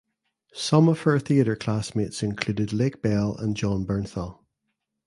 Some of her theater classmates included Lake Bell and Jon Bernthal.